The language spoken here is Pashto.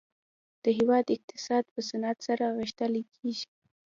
د هیواد اقتصاد په صنعت سره غښتلی کیږي